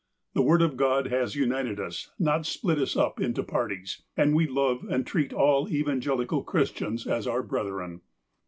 The Word of God has united us, not split us up into parties, and we love and treat all evangelical Christians as our brethren.